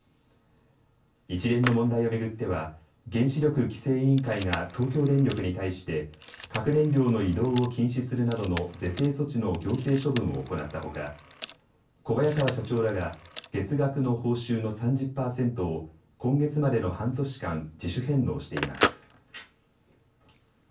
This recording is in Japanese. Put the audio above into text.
一連の問題を巡っては原子力規制委員会が東京電力に対して核燃料の移動を禁止するなどの是正措置の行政処分を行ったほか小早川社長らが月額の報酬の３０％を今月までの半年間、自主返納しています。